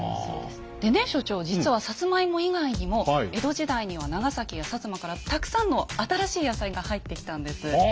でね所長実はサツマイモ以外にも江戸時代には長崎や摩からたくさんの新しい野菜が入ってきたんです。